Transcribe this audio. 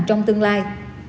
trong tương lai